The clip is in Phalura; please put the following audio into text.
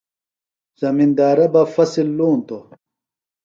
زمندارہ بہ فصۡل لونتوۡ۔